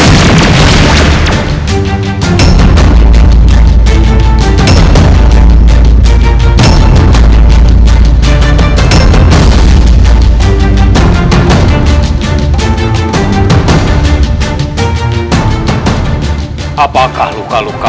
menjadi pemenang ayahanda